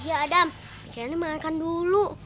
iya adam kayaknya makan dulu